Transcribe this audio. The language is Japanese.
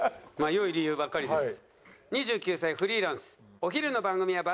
良い理由ばっかりです。